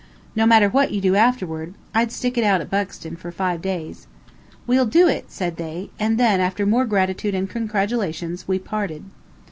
No matter what you do afterward, I'd stick it out at Buxton for five days." "We'll do it," said they; and then, after more gratitude and congratulations, we parted.